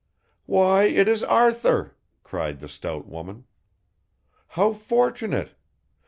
"Why it is Arthur," cried the stout woman. "How fortunate.